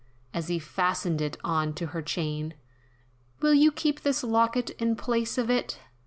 As he fastened it on to her chain, "Will you keep this locket in place of it?